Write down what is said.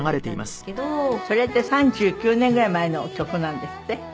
それって３９年ぐらい前の曲なんですって？